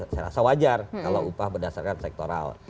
saya rasa wajar kalau upah berdasarkan sektoral